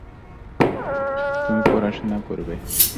তুমি পড়াশোনা করবে।